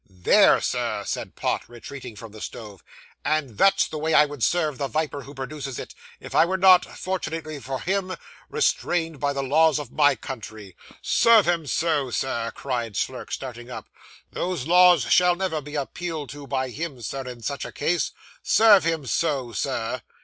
'There, sir,' said Pott, retreating from the stove, 'and that's the way I would serve the viper who produces it, if I were not, fortunately for him, restrained by the laws of my country.' 'Serve him so, sir!' cried Slurk, starting up. 'Those laws shall never be appealed to by him, sir, in such a case. Serve him so, sir!